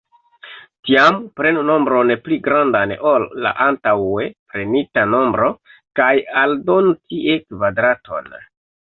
Tiam, prenu nombron pli grandan ol la antaŭe prenita nombro, kaj aldonu tie kvadraton.